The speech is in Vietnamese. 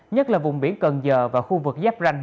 nhất là vùng biển cần giờ và khu vực giáp ranh